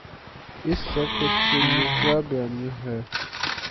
اس سب کچھ کے لیے کیا بیانیہ ہے۔